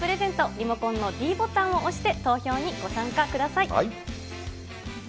リモコンのｄボタンを押して、投票にご参加ください。